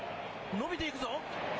伸びていくぞ。